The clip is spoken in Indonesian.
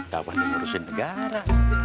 tauan yang ngurusin negara